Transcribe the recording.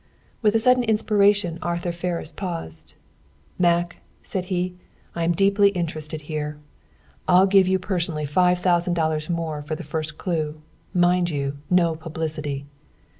With a sudden inspiration Arthur Ferris paused. "Mac," said he, "I am deeply interested here. I'll give you personally five thousand dollars more for the first clue; mind you, no publicity."